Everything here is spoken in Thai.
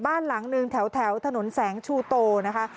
บ้านหลังหนึ่งแถวถนนแสงชูโตนะคะ